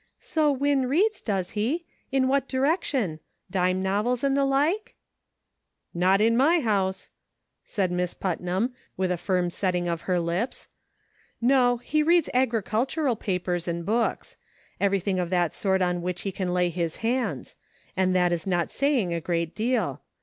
" So Win reads, does he ? In what direc tion .? Dime novels and the like ?"" Not in my house," said Miss Putnam, with a firm setting of her lips. *' No, he reads agricultu ral papers and books ; everything of that sort on which he can lay his hands ; and that is not saying a great deal.